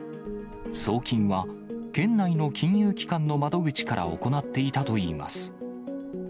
送金は県内の金融機関の窓口から行っていたといいます。